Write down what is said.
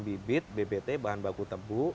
bibit bbt bahan baku tebu